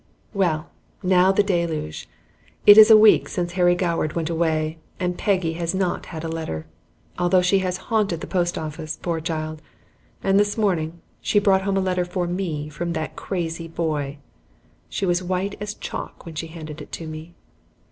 Well, now the deluge! It is a week since Harry Goward went away, and Peggy has not had a letter, although she has haunted the post office, poor child! and this morning she brought home a letter for me from that crazy boy. She was white as chalk when she handed it to me.